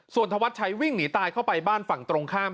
ส่วนธวัดชัยวิ่งหนีตายเข้าไปบ้านฝั่งตรงข้าม